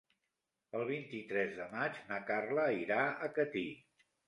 El vint-i-tres de maig na Carla irà a Catí.